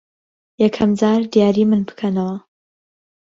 یەکەم جار دیاریی من بکەنەوە.